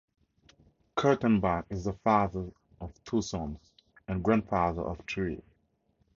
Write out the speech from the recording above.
Kurtenbach is the father of two sons, and grandfather of three.